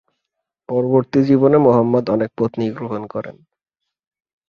পরবর্তী জীবনে মহম্মদ অনেক পত্নী গ্রহণ করেন।